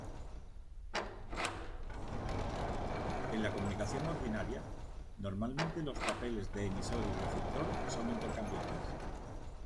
En la comunicación ordinaria, normalmente los papeles de emisor y receptor son intercambiables.